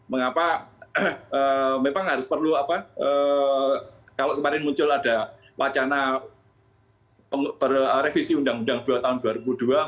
mengapa memang harus perlu apa kalau kemarin muncul ada wacana revisi undang undang dua tahun dua ribu dua